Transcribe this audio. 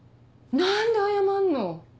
何で謝んの？